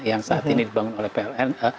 yang saat ini dibangun oleh pln